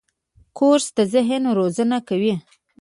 کورس د ذهن روزنه کوي.